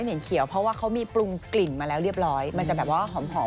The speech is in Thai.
เห็นเขียวเพราะว่าเขามีปรุงกลิ่นมาแล้วเรียบร้อยมันจะแบบว่าหอม